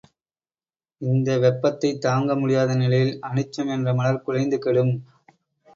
இந்த வெப்பத்தைத் தாங்க முடியாத நிலையில் அனிச்சம் என்ற மலர் குழைந்து கெடும்.